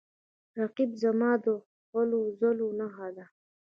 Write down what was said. رقیب زما د هلو ځلو نښه ده